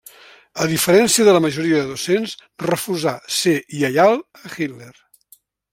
A diferència de la majoria de docents, refusà ser lleial a Hitler.